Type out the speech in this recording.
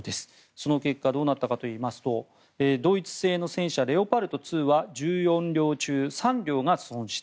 その結果どうなったかといいますとドイツ製の戦車、レオパルト２は１４両中３両が損失。